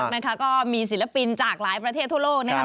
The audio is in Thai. นะคะก็มีศิลปินจากหลายประเทศทั่วโลกนะครับ